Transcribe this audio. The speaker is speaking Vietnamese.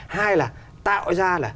hai là tạo ra là